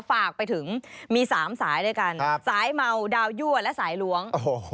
ฝากไปถึงมี๓สายด้วยกันสายเมาดาวยั่วและสายล้วง